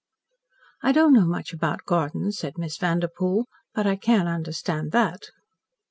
"I don't know much about gardens," said Miss Vanderpoel, "but I can understand that."